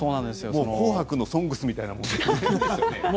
「紅白」の「ＳＯＮＧＳ」みたいなものですね。